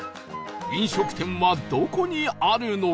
飲食店はどこにあるのか？